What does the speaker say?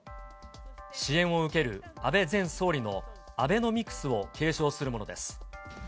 支援を受ける安倍前総理のアベノミクスを継承するものです。